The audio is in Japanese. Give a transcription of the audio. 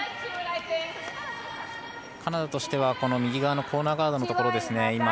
カナダとしては右側のコーナーガードのところですね。